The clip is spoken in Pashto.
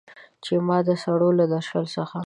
چې ما د سړو له درشل څخه